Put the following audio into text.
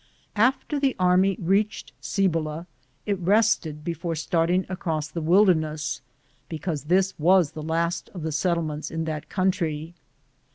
After the army reached Cibola, it rested before starting across the wilderness, because this was the last of the settlements in that country.